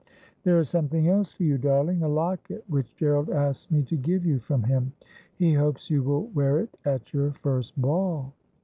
' There is something else for you, darling — a locket, which Cferald asks me to give you from him. He hopes you will wear it at your first ball.'